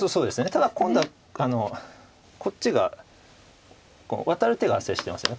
ただ今度はこっちがワタる手が発生してますよね。